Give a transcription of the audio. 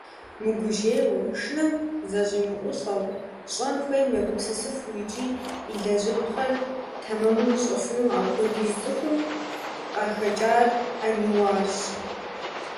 Мыгужьейуэ, шынэм зэщӀимыӀулӀэу, щӀэн хуейм егупсысыфыну икӀи илэжьыпхъэр тэмэму ищӀэфыну апхуэдиз цӀыхум къахэкӀар Ӏэниуарщ.